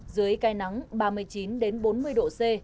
dưới cây nắng ba mươi chín bốn mươi độ c